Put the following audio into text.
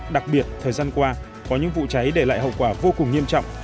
đặc biệt thời gian qua có những vụ cháy để lại hậu quả vô cùng nghiêm trọng